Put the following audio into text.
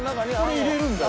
入れるんだよ